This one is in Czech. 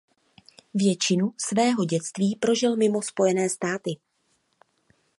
Většinu svého dětství prožil mimo Spojené státy.